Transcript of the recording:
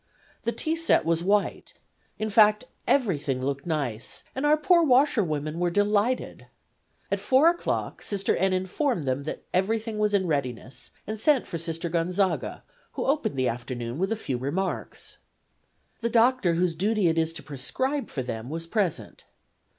The tea set was white in fine, everything looked nice, and our poor washwomen were delighted. At 4 o'clock Sister N. informed them that everything was in readiness, and sent for Sister Gonzaga, who opened the afternoon with a few remarks. The doctor, whose duty it is to prescribe for them, was present.